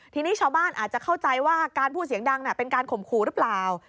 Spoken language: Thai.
ทีนี้ชาวบ้านอาจจะเข้าใจว่าการพูดเสียงดังเป็นการข่มขู่หรือเปล่า